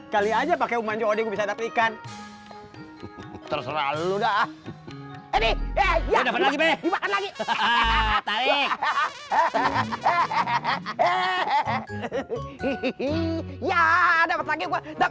kali aja pakai umpan jodoh bisa dapet ikan terserah lu dah ini ya udah lagi